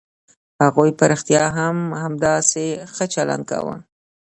هغوی په رښتيا هم همداسې ښه چلند کاوه.